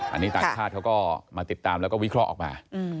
อันนี้ต่างชาติเขาก็มาติดตามแล้วก็วิเคราะห์ออกมา